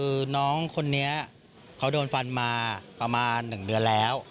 คือน้องคนนี้เขาโดนฟันมาประมาณ๑เดือนแล้ว